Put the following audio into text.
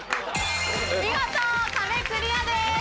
見事壁クリアです。